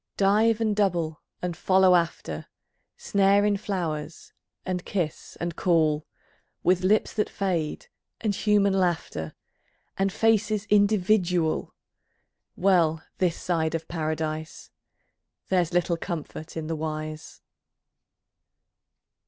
Dive and double and follow after, Snare in flowers, and kiss, and call, With lips that fade, and human laughter And faces individual, Well this side of Paradise!... There's little comfort in the wise.